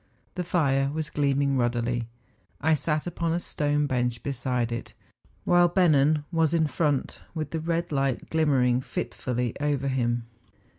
The fire was gleaming ruddily. I sat upon a stone THE FINSTERAARHORX. 37 bench beside it, while Bennen was in front with tlie red light glimmering fitfully over him.